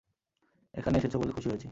এখানে এসেছো বলে খুশি হয়েছি।